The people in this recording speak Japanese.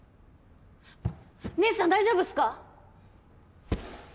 姐さん大丈夫っすか！？